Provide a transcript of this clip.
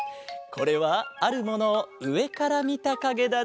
これはあるものをうえからみたかげだぞ。